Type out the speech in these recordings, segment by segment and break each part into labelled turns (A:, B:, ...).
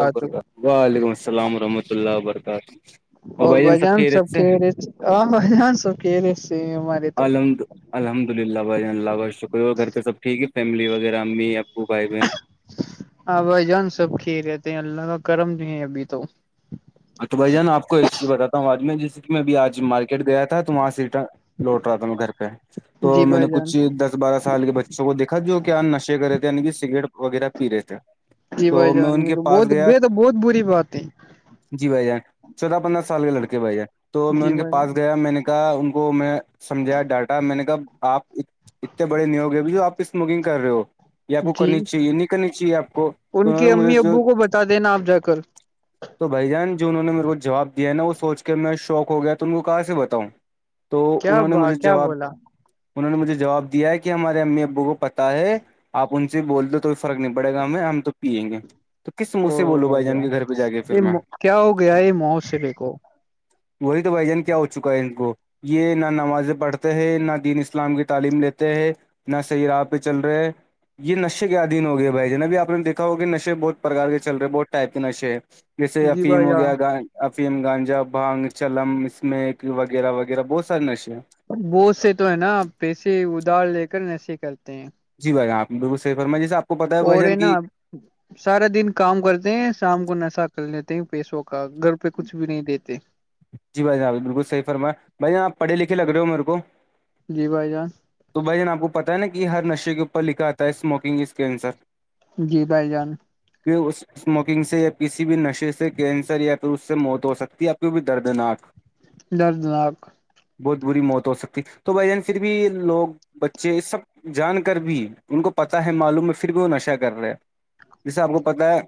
A: ہاں تو
B: وعلیکم السلام رحمۃ اللہ و برکاتہ وہ بھائی جان سب خیرت سے
A: آ ب جان سب کہ رہے سے تو
B: المد الحمد للہ بھائین اللہ بھائی شکر اور گھر پہ سب ٹھیک ہے فیملی وغیرہ امیب ابو بائی بن
A: ہاں بھائی جان سب کھی رہتے ہیں اللہ کا کرم نہیں ہے ابھی تو
B: ہ تو بھ جان آپ کو ایک چیز بتتا ہوں آج میں جیسے میںبھی آج مارکیٹ گیا تھا تو وہاں سے ریٹر لوٹ رہا تھا میں گھر پہ
A: جی
B: تو میں نے
A: بھائی جان
B: کچھ دس بارہ سال کے بچوں کو دیکھا جو کیا نشے کرے تھے ی سگریٹ وغیرہ پی رہے تھے
A: جی
B: تو
A: بھائی
B: میں
A: جان
B: ان
A: یہ
B: کے
A: تو
B: پاس
A: بہت
B: گیا
A: یہ تو بہت بری بات ہے
B: جی بھائی ج چودہ پندرہ سال کے لڑکے بھ جان تو میں
A: جی
B: ان کے
A: بھائی
B: پاس
A: جان
B: گیا میں نے کہ ان کو میں سمجھایا ڈاٹا میں نے کہا آپ اتنے بڑے نیوگے ب جو آپ اسموکنگ کر رہے ہو یہ آپ کو
A: جی
B: کرنی چاہیے نہیں کرنی چاہیے آپ کو تو انہوں نے مجھے جو
A: تا دینا آپ جا کر
B: تو بھائی جان جو انہوں نے میرے کو جواب دیا ہے نا وہ سوچ کے میں شوق ہو گیا تو ان کو کہاں سے بتاؤں تو
A: کیا
B: انہوں نے
A: با
B: مجھے
A: کیا
B: جواب
A: بولا
B: انہوں نے مجھے جواب دیا ہے کہ ہمارے امی ابو کو پتہ ہے آپ ان سے بول دو توئی فرق نہیں پڑے گا ہم میں ہم تو پیئیں گے تو کس منہ سے بولو بھائی جان کے گھر پہ جا کے پھر میں
A: یہ کیا ہو گیا یہ معاسرے کو
B: وہی تو بھائی جان کیا ہو چکا ہے ان کو یہ نہ نمازیں پڑھتے ہے نہ دین اسلام کی تعلیم لیتے ہے نہ صحیح رپ بھی چل رہے یہ نشے کے ادھیین ہو گئے بھائی ج نب بھی آپ نے دیکھا ہو کہ نشے بہت پرکار کے چل رہے بہت ٹائپ کے نشے ہیں جیسے
A: جی
B: فیم
A: بھائی
B: ہو
A: جان
B: گیا گ افیم گانجا بھانگ چلم اسمیک وغیرہ وغیرہ بہت سارے نشے ہیں
A: وہ سے تو ہے نا پیسے ادھار لے کر نشے کرتے ہیں
B: جی بائی آپ بالکلح فرمائیے آپ کو پتا بھائی
A: اور ہے
B: جان
A: نا
B: کی
A: سارا دن کام کرتے ہیں شام کو نشہ لیتے ہیں پیسوں کا گھر پہ کچھ بھی نہیں دیتے
B: جی بھائی جاں بالکلح فرم ہے بھائی آپ پڑے لکھے لگے ہو میرے کو
A: جی بھائی جان
B: تو بھائی جان آپ کو پتا ہے نا کہ ہر نشے کے اوپر لکھا آتا ہے اسموکنگ اس کینسر
A: جی بھائی جان
B: پھر اس اسموکنگ سے یا کسی بھی نشے سے کینسر یا پھر اس سے موت ہو سکتی ہے اب کو بھی دردناک
A: دردناک
B: بہت بری موت ہو سکتی تو بھائی جان پھر بھی لوگ بچے سب جان کر بھی ان کو پتاہ ہے معلوم میں پھر بھی وہ نشہ کر رہے جیسے آپ کو پتہ ہے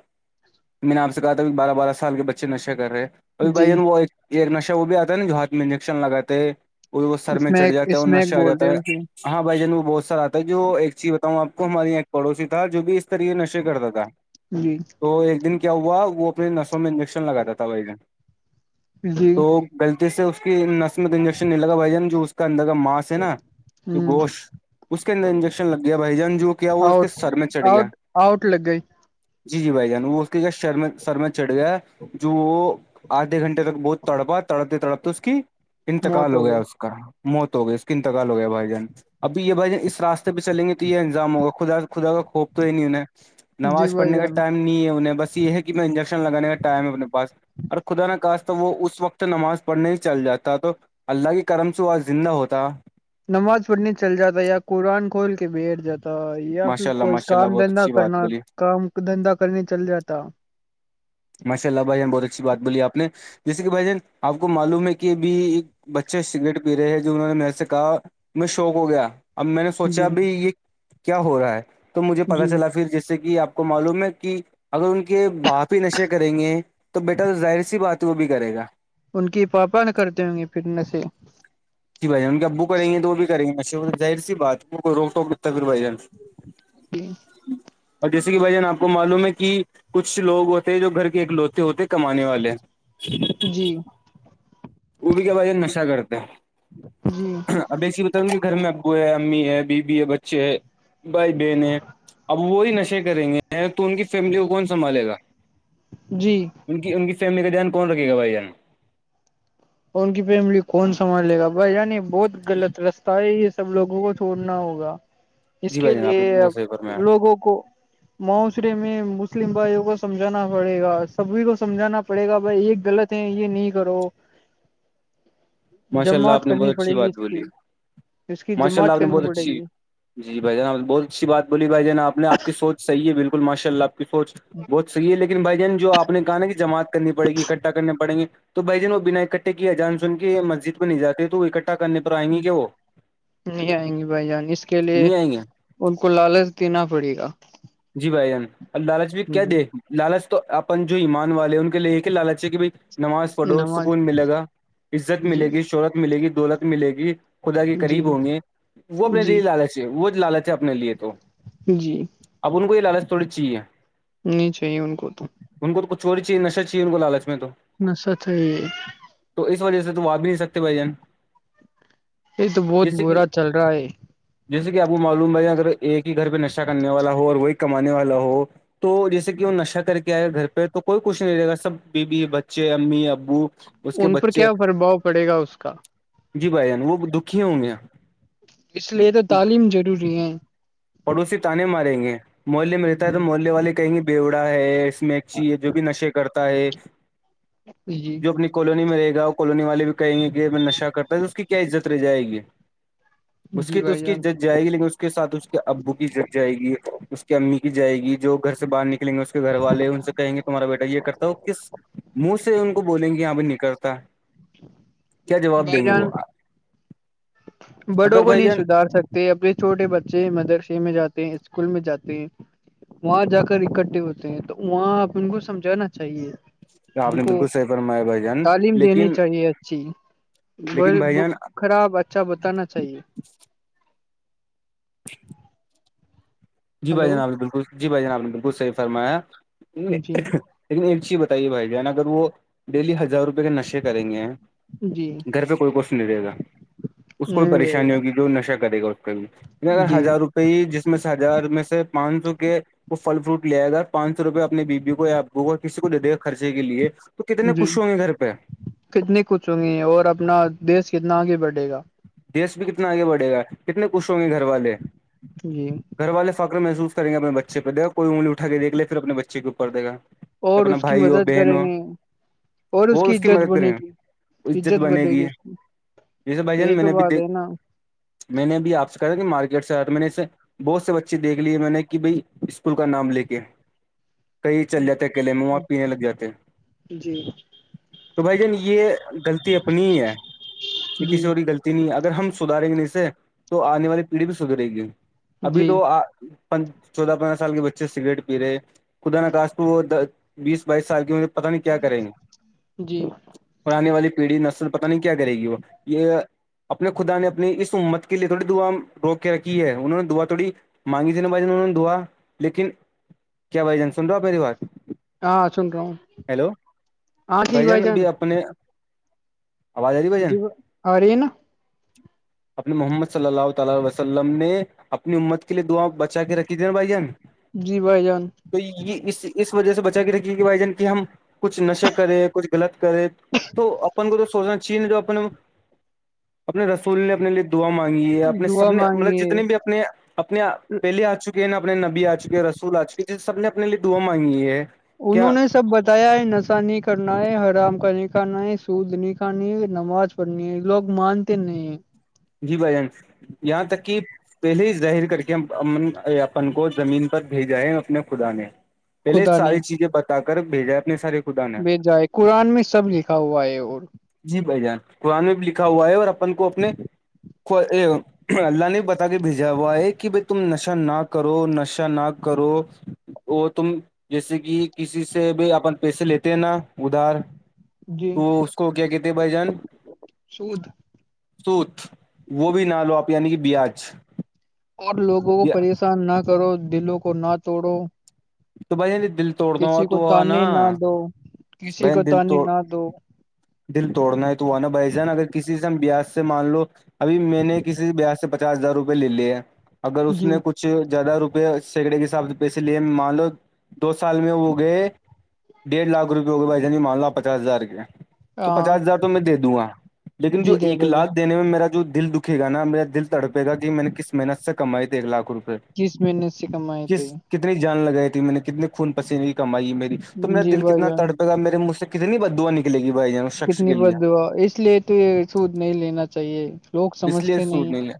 B: میں نے آپ سے کہا تھا بارہ بارہ سال کے بچے نشے کر رہے ابھی بھائی
A: جی
B: وہ ایک نشہ وہ بھی آتا ہے نا جو ہاتھ میں انجیکشن لگاتے ہیں وہ وہ سر
A: اس
B: میں چڑھ
A: ایک
B: جاتا ہے
A: اس
B: اور
A: میں ایک
B: نشہ آ
A: بولتے
B: جاتا ہے
A: ہیں اسے
B: ہاں بھائی جان وہ بہت سارا تھا جو ایک چیز بتاؤں آپ کو ہماری یہاں پڑوسی تھا جو بھی تری یہ نشے کرتا تھا
A: جی
B: تو ایک دن کیا ہوا وہ اپنی نسوں میں انجیکشن لگاتا تھا وہ ایک دن
A: جی
B: گغلطی سے اس کی نسمت انجیکشن نہیں لگا بھائی جان جو اس کا اندر کا ماس نا جو
A: ہ
B: گوشت اس کے اندر انجیکشن لگ گیا بھائی جان جو کیا وہ اس کے
A: آؤٹ
B: سر میں چڑھ گیا
A: آؤٹ آؤٹ لگا ہی
B: جی جی بھائی جان وہ اس کے کیا شر سر میں چڑھ گیا جو وہ آدھے گھنٹے تک بہت تڑپا تڑپتے تڑپتے اس کی
A: موت
B: انتقال ہو گیا
A: گئی
B: اس کا موت ہو گئی اس کی انتگال ہو گیا بھائی جان ابھی یہ بھائی اس راستے پہ چلیں گے تو یہ انجام ہوگا خدا خدا کا خوف تو ہی نہیں انہیں
A: جی
B: نماز
A: بھائی
B: پڑھنے کا
A: جان
B: ٹائم نہیں ہے انہیں بس یہ ہے کہ میں انجیکشن لگانے کا ٹائم ہے اپنے پاس اور خدا ن کہاست تو وہ اس وقت نماز پڑھنے ہی چل جاتا تو اللہ کی کرم س آج زندہ ہوتا
A: نماز پڑھنے چل جاتا ہے یا قرآن کھول کے بیٹھ جاتا ہے تو یا پھر
B: ماشاء اللہ
A: کوئی
B: ماشاء اللہ
A: کام
B: بہت
A: دھندا
B: اچھی بات
A: کرنا
B: بولی
A: کام دھندا کرنے چل جاتا
B: ماشاء اللہ بھائی بہت اچھی بات بولی آپ نے جیسے کہ بھائی جن آپ کو معلوم ہے کہ ابھی ایک بچے سگریٹ پی رہے ہیں جو انہوں نے میرے سے کہا میں شوق ہو گیا اب میں نے سوچا
A: جی
B: بھ یہ کیا ہو رہا ہے تو مجھے پتا
A: جی
B: چلا پھر جیس سے کہ آپ کو معلوم ہے کہ اگر ان کے بھاپی نشے کریں گے تو بیٹا تو ظاہر سی بات ہے وہ بھی کرے گا
A: ان کی پاپا ن کرتے ہوں گے پٹنس
B: جی بھائیان ان ابو کریں گے تو وہ بھی کریں گے اچ ظر سی بات وہ کو رو ٹوک لتا پھر بائی جان
A: جی
B: اور جیسے کہ بھائی جان آپ کو معلوم ہے کہ کچھ لوگ ہوتے ہیں جو گھر کے ایکلوتے ہوتے کمانے والے
A: جی
B: وہ بھی کیا ب نشہ کرتا ہے
A: جی
B: اب ایسی بتاؤں گی گھر میں ابو ہے امی ہے بی بیی ہے بچے ہے بھائی بہنیں اب وہی نشے کریں گے ہیں تو ان کی فیملی کو کون سنبھالے گا
A: جی
B: ان کی ان کی فیملی کا دھیان کون رکھے گا بھائی جان
A: ن کی فیملی کون سنبال لے گا بھائی یعنی بہت غط رستہ ہے یہ سب لوگوں کو چھوڑنا ہوگا اس
B: جی
A: کے
B: بھائی جان آپ
A: لیے
B: نے بالکل صحیح فرمایا
A: لوگوں کو معاشرے میں مسلم بھائیوں کو سمجھانا پڑے گا سبھی کو سمجھانا پڑے گا بھائی ایک غلط یہ نہیں کرو
B: ماشاء اللہ
A: جماعت
B: آپ نے بہت
A: کرنی
B: اچھی
A: پڑے گی
B: بات
A: اس
B: بولی
A: کی اس کی
B: ماشاء اللہ
A: جماعت
B: آپ نے
A: کرنی
B: بہت
A: پڑے گی
B: اچھی جی بھائی جان بہت اچھی بات بولی بھائی جان آپ آپ سوچحی ہے بالکل ماشاءلہ فور بہتحیح ہے لیکن بھائین جو آپ نے کہا کہ جماعت کرنی پڑ گی اکٹا کرنے پڑیں گے تو بھائیجن وہ بنا اکٹھے کیا جان سن کے مسجد میں نہیں جاتے تو اکٹے کرنی پر آئیں گے کیا وہ
A: نہیں آئیں گی بھائی جان اس کے لیے
B: نہیں آئیں گے
A: ان کو لالچ دینا پڑے گا
B: جی بھائی جان ال لالچ بھی کیا
A: جی
B: دیکھ لالچ تو اپن جو ایمان والے ان کے لیے یہ کہ لالچ ہے کہ بھائی نماز فڑوخ
A: نماز
B: سکون ملے گا عزت
A: جی
B: ملے گی شہرت ملے گی دولت ملے گی خدا کے
A: جی
B: قریب ہوں گے وہ اپنے لیے
A: جی
B: لالچ ہے وہ لالچ ہے اپنے لیے تو
A: جی
B: اب ان کو یہ لالچ تھوڑی چاہیے
A: نہیں چاہیے ان کو تو
B: ان کو تو ک چوری چی نشر چاہی ان کو لالچ میں تو
A: تھھ
B: تو اس وجہ سے تو آپ بھی نہیں سکتے بھائی جان
A: یہ تو بہت
B: جیسے کہ
A: برا چل رہا ہے
B: جیسے کہ آپ کو معلوم اگر ایک ہی گھر پہ نشہ کرنے والا ہو اور وہی کمانے والا ہو تو جیسے کہ وہ نشہ کر کے آئے گا گھر پہ تو کوئی کچھ نہیں رہے گا سب بی بیی بچے امی ابو اس کے
A: ان پر
B: بچے
A: کیا پربھؤ پڑے گا اس کا
B: جی بھائیان وہ دکھی ہوں گیا
A: اس لیے تو تعلیم ضروری ہے
B: پڑوسی تانے ماریں گے محلے میں رہتا ہے تو محلے والے کہیں گے بیوڑا ہے میکچی ہے جو بھی نشے کرتا ہے
A: جی
B: جو اپنی کالونی میں رہے گا کالونی والے بھی کہیں گے کہ میں نش کرتا ہے تو اس کی کیا عزت رہ جائے گی اس
A: جی
B: کی تو اس
A: بھائی
B: کی
A: جان
B: جج جائے گی لیکن اس کے ساتھ اس کے ابو کی جج جائے گی اس کی امی کی جائے گی جو گھر سے باہر نکلیں گے اس کے گھر والے ان سے کہیں گے تمہارا بیٹا یہ کرتا ہو کس منہ سے ان کو بولیں گے یہاں بھی نکلتا کیا جواب
A: بھائی
B: دیں گے وہ
A: جان بڑوں
B: اگر
A: کو
B: بھائی
A: نہیں
B: جان
A: سدھار سکتے اپنے چھوٹے بچے مدرسے میں جاتے ہیں اسکول میں جاتے ہیں وہاں جا کر اکٹھے ہوتے ہیں تو وہاں آپ ان کو سمجھانا چاہیے
B: آپ
A: ان
B: نے
A: کو
B: بالکل صحیح فرمایا بھائی جان
A: تعلیم دینی
B: لیکن
A: چاہیے اچھی
B: لیکن بھائی جان
A: خراب اچھا بتانا چاہیے
B: جی بھائی
A: ہلو
B: جناب نے بالکل جی بھائی جناب نے بالکل صحیح فرمایا
A: جی
B: لیکن ایک چیز بتائیے بھائی جان اگر وہ ڈیلی ہزار روپئے کے نشے کریں گے
A: جی
B: گھر پہ کوئی کوش نہیں رہے گا اس کو
A: نہیں رہے
B: پریشانی
A: گا
B: ہوگی جو نشہ کرے گا اس کے بھی اگر
A: جی
B: ہزار روپئے جس میں سے ہزار میں سے پانچ سو کے وہ فل فروٹ لےائےئے گا پانچ سو روپئے اپنے بیوی کو یا آبو کو کسی کو دے دے گا خرچے کے لیے تو کتنے
A: جی
B: خوش ہوں گے گھر پہ
A: کتنی کچھ ہوںگی ہے اور اپنا دیش کتنا آگے بڑھے گا
B: دیش بھی کتنا آگے بڑھے گا کتنے خوش ہوں گے گھر والے
A: جی
B: گھر والے فخر محس کر گے اپنے بچےہےا کو انگلی اٹھ کے دیکھے پھر اپنے بچے کے اور دےا
A: اور
B: اپنا
A: اس کی
B: بھائی ہو
A: مدد
B: بہن
A: کریں
B: ہو
A: گے اور
B: وہ اس کی
A: عزت
B: مدد
A: بنے
B: کریں
A: گی
B: گ عزت بنے
A: بڑھے
B: گی
A: اس کی
B: جیسے بھائی
A: یہی
B: جن میں
A: تو
B: نے بھی
A: بات
B: دیک
A: ہے نا
B: میں نے بھی آپ سے کہا تھا کہ مارکیٹ سے آ میں نے اسے بہت سے بچے دیکھ لیے میں نے کہ بھائی اسکول کا نام لے کے کئی چل جات ہیں ا کییلے میں وہاں پینے لگ جاتے ہیں
A: جی
B: تو بھائی جان یہ غلطی اپنی ہی ہے
A: جی
B: کسی اور کی غلی نہیں ہے اگر ہم سدھیں گے اسے تو آنے والی پیڑھی بھی سدھرے گی ابھی
A: جی
B: تو آ چودہ پندرہ سال کے بچے سگریٹ پی رہے خدا نقاس پ وہ بیس بائیس سال کی عمر پر پتا نہیں کیا کریں گے
A: جی
B: پرانی والی پیڑھی نسل پتا نہیں کیا کرے گی وہ یہ اپنے خدا نے اپنی اس امت کے لیے تھوڑی دعا روک کے رکھی ہے انہوں نے دعا تھوڑی مانگی ت ن ب جان انہوں نے دھوا لیکن کیا بھائی جان سن رہو ہو آپ میری بات
A: ہاں سن رہا ہوں
B: ہیلو
A: ہاں جی بھائی
B: بھجن
A: جان
B: بھی اپنے آواز آ رہی بھائی جان
A: جی آ رہی ہے نا
B: اپنے محمد صلی اللہ تعی وسلم نے اپنی امت کے لیے دعاں بچا کے رکھی تے نا بھائی جان
A: جی بھائی جان
B: تو یہ اس اس وجہ سے بچا کے رکھیے کہ بھائی ج کہ ہم کچھ نشے کریں کچھ غلط کرے تو اپن کو تو سوچنا چاہیے نہیں تو اپ اپنے رسول نے اپنے لیے دعا مانگی ہے اپنے سب
A: دعا
B: نے مطلب
A: مانگیے
B: جتنے بھی اپنے اپنے پہلے آ چکے ہیں نا اپنے نبی آ چکے ہیں رسول آ چکے ہے جس سب نے اپنے لیے دعا مانگی ہے
A: انہوں
B: کیا
A: نے سب بتایا ہے نشہ نہیں کرنا ہے حرام کا نہیں کھانا ہے سود نہیں کھانی ہے نماز پڑنی لوگ مانتے نہیں
B: جی بھائی جان یہاں تک کہ پہلے ہی ظاہر کر کے ہم امن اپن کو زمین پر بھیجاائے اپنے خدا نے پہلے
A: خدا نے
B: ساری چیزیں بتا کر بھیجا اپنے سارے خدا نے
A: بھیجا ہے قرآن میں سب لکھا ہوا ہے اور
B: جی بھائی جان قرآ میں بھی لکھا ہوا ہے اور اپن کو اپنے کو ام اللہ نے بتا کے بھیجا ہوا ہے کہ بائی تم نشہ نہ کرو نشہ نہ کرو وہ تم جیسے کہ کسی سے بھی اپن پیسے لیتے ہیں نا ادھار
A: جی
B: تو اس کو کیا کہتے بائی جان
A: سود
B: سوت وہ بھی نہ لو آپ یعنی کہ بیاج
A: اور لوگوں کو پریشان نہ کرو دلوں کو نہ توڑو
B: تو بھائی دل توڑنا ہوا
A: کسی
B: تو
A: کو
B: نا
A: تانے نہ دو کسی
B: بھائی
A: کو
B: دل
A: تانے
B: توڑ
A: نہ دو
B: دل توڑنا ہے تو وہا نا بھ جان اگر کسی سے ہم بیاس سے مان لو ابھی میں نے کسی بیاس سے پچاس ہزار روپے لے لیے ہے اگر اس
A: جی
B: نے کچھ زیادہ روپئے سیکڑے کے حساب سے پیسے لیے مان لو دو سال میں وہ گئے ڈیڑھ لاکھ روپئے ہو گئےھائی جنی مان لوپ پچاس ہزار کے تو
A: ہاں
B: پچاس ہزار تو میں دے دوں گا لیکن جو
A: جی دے
B: ایک
A: دو گے
B: لاکھ دینے میں میرا جو دل دکھے گا نا میرا دل تڑپے گا کہ میں نے کس محنت سے کمائی ت ایک لاکھ روپئے
A: تیس مہنے سے کمائی ت
B: کس کتنی جان لگائی تھی میں نے کتنے خون پسینے کی کمائی ہے میری تو میرا
A: جی
B: دل
A: بھائی
B: کتنا
A: جان
B: تر میرے منھ سے کتنی بدوا نکے گ بائی چانس
A: کتنی بد دعا اس لیے تو یہ سوود نہیں لینا چاہیے لوگ
B: اس لیے
A: سمجھتے
B: سود
A: نہیں
B: ہے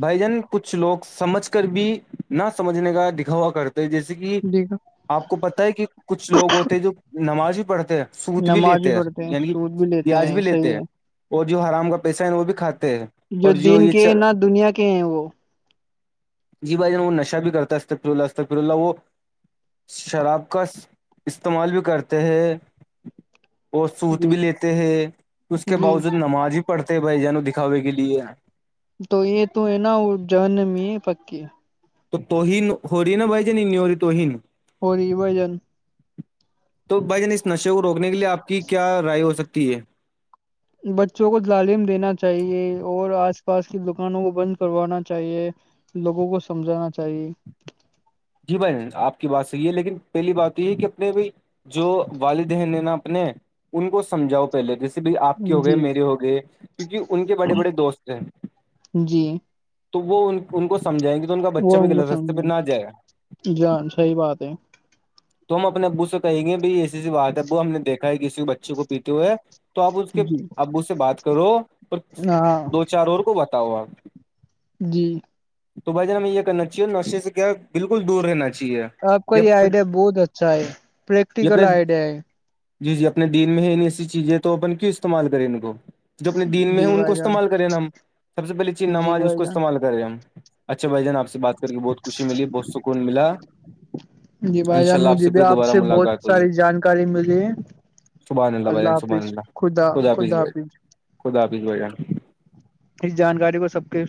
B: بھائی جان کچھ لوگ سمجھ کر بھی نہ سمجھنے کا دکھا ہوا کرتے جیسے کہ
A: جیکا
B: آپ کو پتہ ہے کہ کچھ لوگ ہوتے ہیں جو نماز ہی پڑھتے ہیں سوت بھی
A: نماز
B: لیتے ہیں
A: پڑھتے
B: یعنی کہ
A: سود بھی
B: پیاج بھی لیتے
A: صحیح
B: ہیں اور جو حرام کا پیسہ ہے وہ بھی کھاتے ہیں
A: جو
B: اور
A: دین
B: یہ چ
A: کے ہیں نہ دنیا کے ہیں وہ
B: جی بھائی جان وہ نشا بھی کرتا ہے استا پرولاتا پرولا وہ شراب کا استعمال بھی کرتے ہیں اور سوت بھی
A: جی
B: لیتے ہیں اس کے
A: جی
B: باوجود نماز ہی پڑھتے ہے بھائی جانوں دکھاوے کے لیے
A: تو یہ تو ہے نا جن میں پکی
B: تو تو ہی ہو رہی ہے نا بھائی ج ن نہیں ہو رہی تو ہی نہیں
A: ہوی بھجن
B: تو بھائی جان اس نشے کو روکنے کے لیے آپ کی کیا رائے ہو سکتی ہے
A: بچوں کو تعلیم دینا چاہیے اور آس پاس کی دکانوں کو بند کروانا چاہیے لوگوں کو سمجھانا چاہیے
B: جی بھائی آپ کی بات صحیح ہے لیکن پہلی بات تو یہ ہے کہ اپنے بھائی جو والد ہیں نے نا اپنے ان کو سمجھاؤ کہ پہلے جیسے بھی آپ کے ہو گئے
A: جی
B: میرے ہو گئے کیونکہ ان کے بڑے بڑے دوست ہیں
A: جی
B: تو وہ ان ان کو سمجھائیں گی تو ان کا بچہ بھی غلط راستے پہ نہ جائے
A: جاں صحیح بات ہے
B: تو ہم اپنے ابو سے کہیں گے بھائی ایسی ای سی بات ہے ابو ہم نے دیکھا ہے کسی بچے کو پیتے ہوئے ہے تو آپ اس کے
A: جی
B: ابو سے بات کرو اور
A: ہاں
B: دو چار اور کو بتاؤ آپ
A: جی
B: تو بھائی جان ہمیں یہ کرنا چاہیے نشے سے کیا بالکل دور رہنا چاہیے
A: آپ کا یہ آئیڈیا بہت اچھا ہے پریکٹیکل
B: اپنے
A: آئیڈیا ہے
B: جی جی اپنے دین میں ہے ن ایسی چیزیں تو اپن کیوں استعمال کریں ان کو جو اپنے دین میں
A: جی
B: ہے ان کو
A: بھائی جان
B: استعمال کریں نا ہم سب سےہے چین
A: جی
B: نماز اس
A: بھائی
B: کو
A: جان
B: استعمال کر اچھا بھائی جان آپ سے بات کر کے بہت خوشی ملی بہت سکون ملا
A: جی
B: ان
A: بھائی
B: شاء
A: جان
B: اللہ
A: مجھے بھی
B: پھر
A: آپ
B: دوبارہ
A: سے بہت
B: ملاقات ہوگی
A: ساری جانکاری ملی ہے
B: سبحان بھائی
A: اللہ
B: جان سبحان
A: حافظ
B: اللہ
A: خدا خدا
B: بھائی
A: حافظ
B: خدا حافظ بھائی جان
A: اس جانکاری کو سب کے